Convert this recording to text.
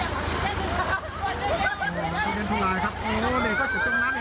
สวัสดีครับตอนนี้ครับจะเอาเด็กข้ามน้้ำครับ